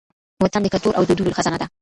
وطن د کلتور او دودونو خزانه ده.